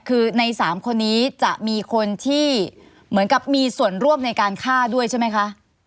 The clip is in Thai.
คือใน๓คนนี้จะมีคนที่เหมือนกับมีส่วนร่วมในการฆ่าด้วยใช่ไหมคะ